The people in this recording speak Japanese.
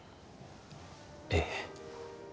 ええ